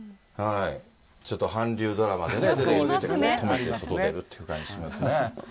ちょっと韓流ドラマで出てきて、とめて外出るって感じですね。